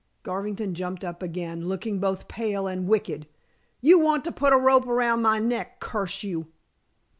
Garvington jumped up again, looking both pale and wicked. "You want to put a rope round my neck, curse you."